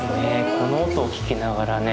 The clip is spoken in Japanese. この音を聞きながらね